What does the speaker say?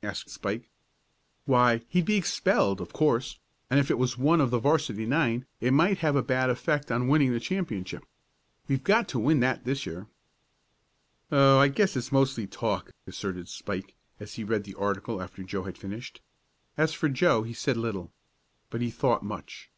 asked Spike. "Why he'd be expelled, of course, and if it was one of the 'varsity nine it might have a bad effect on winning the championship. We've got to win that this year." "Oh, I guess it's mostly talk," asserted Spike, as he read the article after Joe had finished. As for Joe he said little. But he thought much.